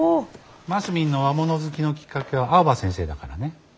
マスミンの和物好きのきっかけは青葉先生だからね。